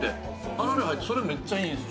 あられ入って、それめっちゃいいです。